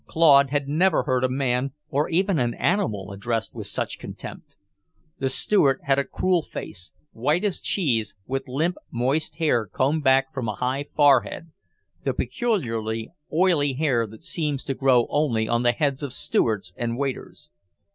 Claude had never heard a man or even an animal addressed with such contempt. The Steward had a cruel face, white as cheese, with limp, moist hair combed back from a high forehead, the peculiarly oily hair that seems to grow only on the heads of stewards and waiters.